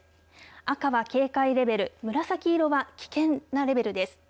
赤は警戒レベル紫色は危険なレベルです。